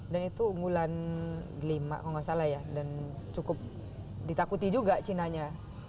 dan itu unggulan lima kalau gak salah ya dan cukup ditakuti juga china nya